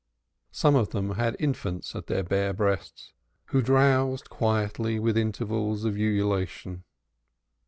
Some of them had infants at their bare breasts, who drowsed quietly with intervals of ululation.